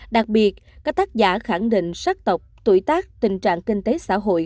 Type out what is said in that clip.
đặc biệt các tác giả khẳng định sắc tộc tuổi tác tình trạng kinh tế xã hội